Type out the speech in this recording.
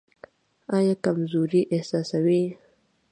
ایا کمزوري احساسوئ؟